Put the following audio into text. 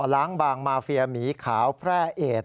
ล้างบางมาเฟียหมีขาวแพร่เอด